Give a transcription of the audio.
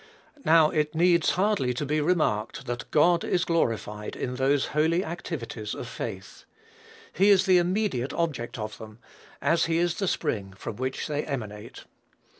Now, it needs hardly to be remarked that God is glorified in those holy activities of faith. He is the immediate object of them, as he is the spring from whence they emanate.